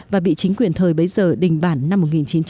và bị chính quyền thời bấy giờ đình bản năm một nghìn chín trăm bốn mươi ba